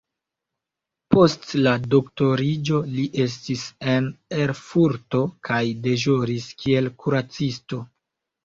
Post la doktoriĝo li setlis en Erfurto kaj deĵoris kiel kuracisto.